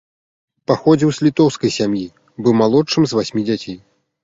Паходзіў з літоўскай сям'і, быў малодшым з васьмі дзяцей.